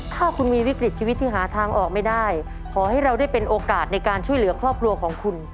ถ้าคุณมีวิกฤตชีวิตที่หาทางออกไม่ได้ขอให้เราได้เป็นโอกาสในการช่วยเหลือครอบครัวของคุณ